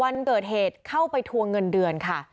วันเกิดเหตุเข้าไปทวงเงินเดือนค่ะ